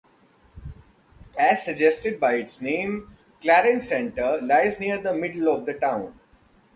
As suggested by its name, Clarence Center lies near the middle of the town.